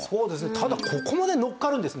ただここまでのっかるんですね。